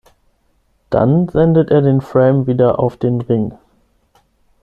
Dann sendet er den Frame wieder auf den Ring.